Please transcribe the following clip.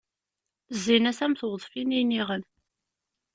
Zzin-as am tweḍfin i iniɣem.